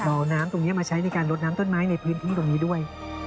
เอาน้ำตรงนี้มาใช้ในการลดน้ำต้นไม้ในพื้นที่ตรงนี้ด้วย